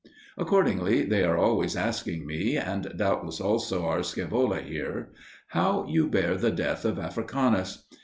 Accordingly they are always asking me, and doubtless also our Scaevola here, how you bear the death of Africanus.